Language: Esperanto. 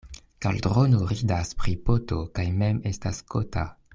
Kaldrono ridas pri poto kaj mem estas kota.